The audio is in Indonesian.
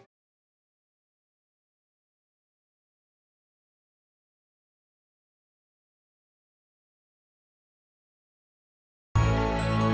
seperti mana lagi